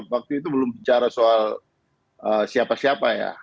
waktu itu belum bicara soal siapa siapa ya